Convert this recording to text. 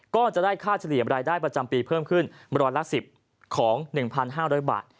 ก็จะได้ค่าเฉลี่ยรายได้ประจำปีเพิ่มขึ้นร้อยละ๑๐ของ๑๕๐๐บาท